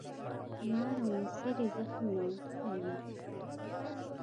لار او مسیر یې زخم نه اوښتی وي.